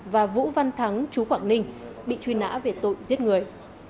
và vũ văn thắng chú quảng ninh bị truy nã về tội giết người